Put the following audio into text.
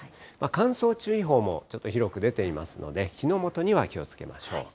乾燥注意報もちょっと広く出ていますので、火の元には気をつけましょう。